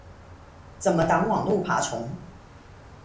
怎麼擋網路爬蟲？